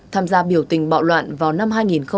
tham gia biểu tình bạo loạn vào năm hai nghìn một